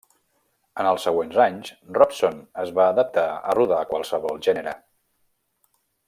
En els següents anys, Robson es va adaptar a rodar qualsevol gènere.